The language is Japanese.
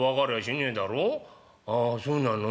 「ああそうなの。